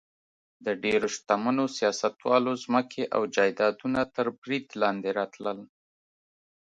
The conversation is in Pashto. د ډېرو شتمنو سیاستوالو ځمکې او جایدادونه تر برید لاندې راتلل.